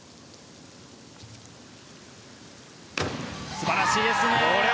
素晴らしいですね。